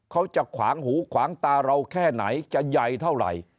เขาจะขวางหูขวางตาเราแค่ไหนจะใหญ่เท่าไหร่